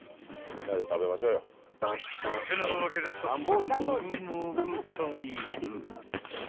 ［ってなわけで早速］